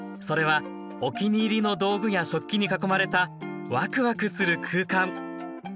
それはお気に入りの道具や食器に囲まれたワクワクする空間。